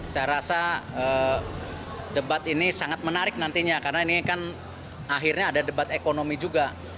saya rasa debat ini sangat menarik nantinya karena ini kan akhirnya ada debat ekonomi juga